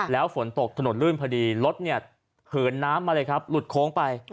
แล้วฝนตกถนนลื่นพอดีรถเนี่ยเหินน้ำมาเลยครับหลุดโค้งไป